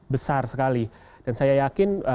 besar sekali dan saya yakin